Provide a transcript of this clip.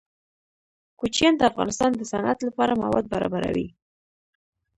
کوچیان د افغانستان د صنعت لپاره مواد برابروي.